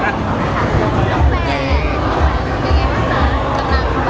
ครับ